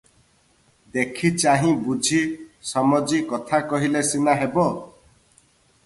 ଦେଖି ଚାହିଁ ବୁଝି ସମଜି କଥା କହିଲେ ସିନା ହେବ ।